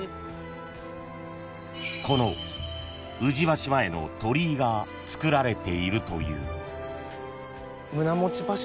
［この宇治橋前の鳥居がつくられているという］